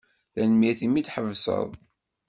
Tanemmirt imi d-tḥebseḍ.